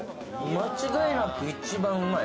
間違いなく一番うまい。